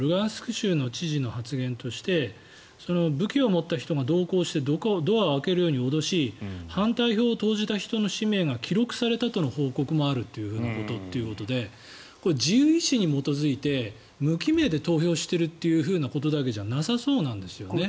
州の知事の発言として武器を持った人が同行してドアを開けるように脅し反対票を投じた人の氏名が記録されたとの報告もあるということで自由意思に基づいて無記名で投票しているということだけではなさそうなんですね。